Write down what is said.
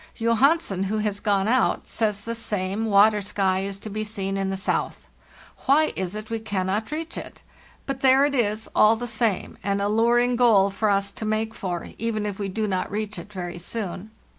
"Johansen, who has gone out, says the same water sky is to be seen in the south. Why is it we cannot reach it? But there it is, all the same, an alluring goal for us to make for, even if we do not reach it very soon.